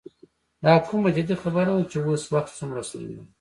دا کومه جدي خبره نه ده چې اوس وخت څومره ستونزمن دی.